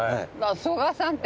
曽我さんって。